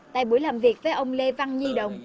tại buổi làm việc với ông lê văn nhi đồng